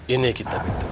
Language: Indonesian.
ini kitab itu